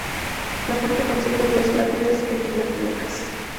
La fuente conserva dos lápidas epigráficas.